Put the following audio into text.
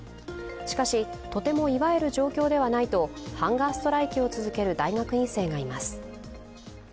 しかし、とても祝える状況ではないとハンガーストライキを続ける大学院生がいます。